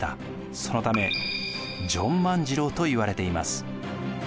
そのためジョン万次郎といわれています。